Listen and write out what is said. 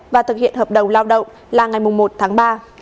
và thực hiện hợp đồng lao động là ngày một tháng ba